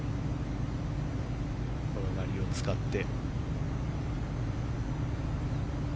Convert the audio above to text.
転がりを使って。